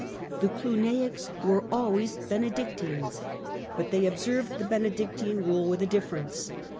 The Cluniacs were always Benedic tines, but they observed the Benedictine Eule with a difference.